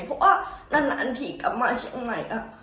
เพราะว่านาทีกลับมาที่